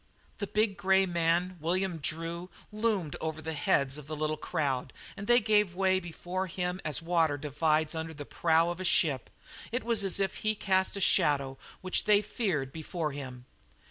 The big grey man, William Drew, loomed over the heads of the little crowd, and they gave way before him as water divides under the prow of a ship; it was as if he cast a shadow which they feared before him.